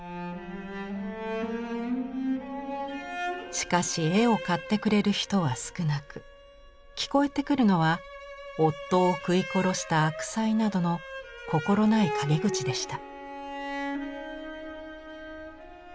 しかし絵を買ってくれる人は少なく聞こえてくるのは「夫を食い殺した悪妻」などの心ない陰口でした。